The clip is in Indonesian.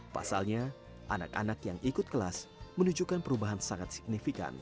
pasalnya anak anak yang ikut kelas menunjukkan perubahan sangat signifikan